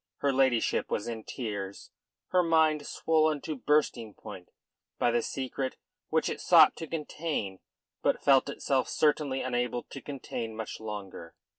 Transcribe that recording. Her ladyship was in tears, her mind swollen to bursting point by the secret which it sought to contain but felt itself certainly unable to contain much longer.